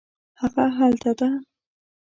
هغه هلته ده